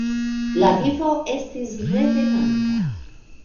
La vivo estis revenanta.